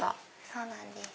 そうなんです。